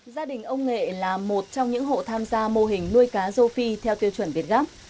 gia đình ông nghệ là một trong những hộ tham gia mô hình nuôi cá rô phi theo tiêu chuẩn việt gáp